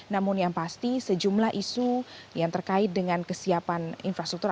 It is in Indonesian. namun yang pasti sejumlah isu yang terkait dengan kesiapan infrastruktur